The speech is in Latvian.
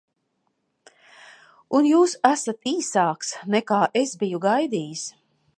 Un jūs esat īsāks, nekā es biju gaidījis.